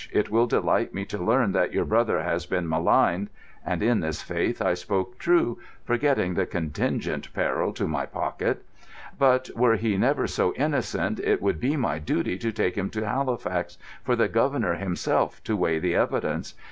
It will delight me to learn that your brother has been maligned"—and in this, faith, I spoke true, forgetting the contingent peril to my pocket—"but were he never so innocent it would be my duty to take him to Halifax, for the Governor himself to weigh the evidence.